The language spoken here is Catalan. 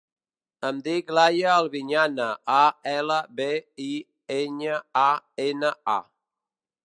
Em dic Laia Albiñana: a, ela, be, i, enya, a, ena, a.